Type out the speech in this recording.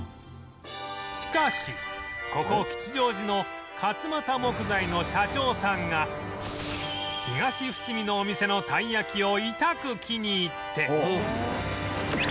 しかしここ吉祥寺の勝又木材の社長さんが東伏見のお店のたいやきをいたく気に入って